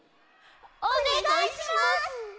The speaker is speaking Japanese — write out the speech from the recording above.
おねがいします！